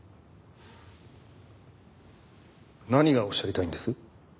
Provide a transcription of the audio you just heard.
何がおっしゃりたいんです？